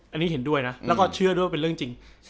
อันนี้เห็นด้วยนะแล้วก็เชื่อด้วยว่าเป็นเรื่องจริง